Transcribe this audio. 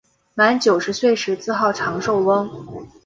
满九十岁时自号长寿翁。